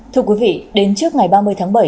thưa quý vị đến trước ngày ba mươi tháng bảy